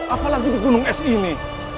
apalagi di gunung es ini